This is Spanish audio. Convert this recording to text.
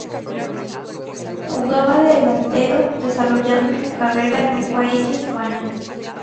Jugaba de delantero, desarrollando su carrera en su país y España.